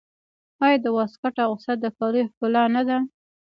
آیا د واسکټ اغوستل د کالیو ښکلا نه ده؟